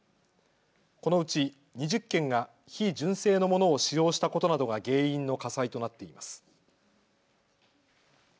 このうち２０件が非純正のものを使用したことなどが原因の火災となっています。